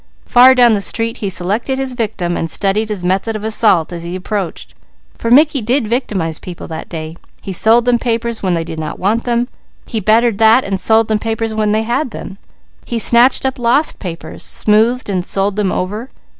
Far down the street he selected his victim and studied his method of assault as he approached; for Mickey did victimize people that day. He sold them papers when they did not want them. He bettered that and sold them papers when they had them. He snatched up lost papers, smoothed and sold them over.